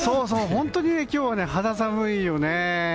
本当に今日は肌寒いよね。